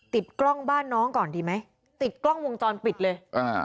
ติดกล้องบ้านน้องก่อนดีไหมติดกล้องวงจรปิดเลยอ่า